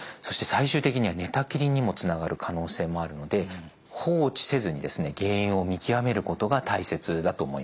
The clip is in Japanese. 最終的には寝たきりにもつながる可能性もあるので放置せずに原因を見極めることが大切だと思います。